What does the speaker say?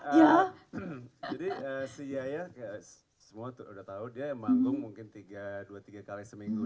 jadi si yaya semua udah tahu dia yang bangung mungkin tiga dua tiga kali seminggu